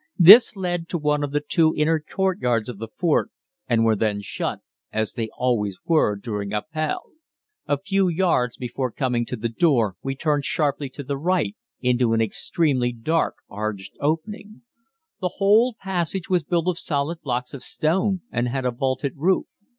These led to one of the two inner courtyards of the fort, and were then shut, as they always were during Appell. A few yards before coming to the door we turned sharply to the right into an extremely dark arched opening. The whole passage was built of solid blocks of stone and had a vaulted roof.